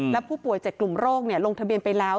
แล้วผู้ป่วยเจ็ดกลุ่มโรคเนี่ยลงทะเบียนไปแล้ว